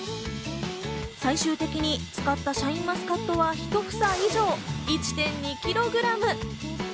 最終的に使ったシャインマスカットは一房以上、１．２キログラム。